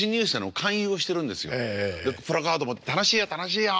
プラカード持って「楽しいよ楽しいよ！